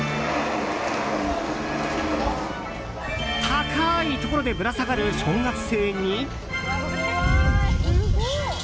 高いところでぶら下がる小学生に。